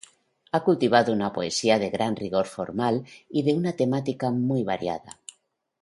Ha cultivado una poesía de gran rigor formal y de una temática muy variada.